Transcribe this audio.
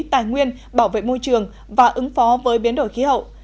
tài nguyên bảo vệ môi trường và ứng phó với biến đổi khí hậu